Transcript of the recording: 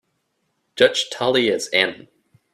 Judge Tully is in.